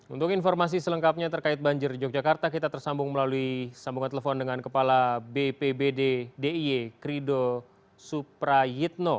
untuk informasi selengkapnya terkait banjir di yogyakarta kita tersambung melalui sambungan telepon dengan kepala bpbd d i e krido suprayitno